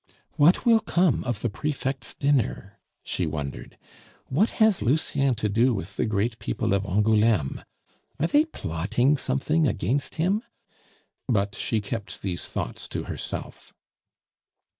"What will come of the prefect's dinner?" she wondered. "What has Lucien to do with the great people of Angouleme? Are they plotting something against him?" but she kept these thoughts to herself.